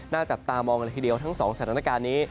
จับตามองเลยทีเดียวทั้งสองสถานการณ์นี้